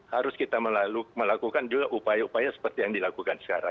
harus kita melakukan juga upaya upaya seperti yang dilakukan sekarang